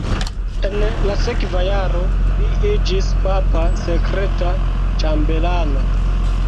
En la sekva jaro li iĝis papa sekreta ĉambelano.